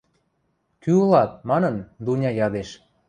– Кӱ ылат? – манын, Дуня ядеш.